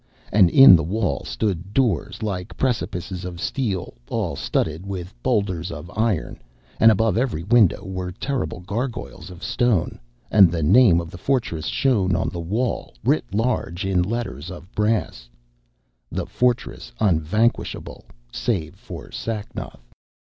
And in the wall stood doors like precipices of steel, all studded with boulders of iron, and above every window were terrible gargoyles of stone; and the name of the fortress shone on the wall, writ large in letters of brass: 'The Fortress Unvanquishable, Save For Sacnoth.'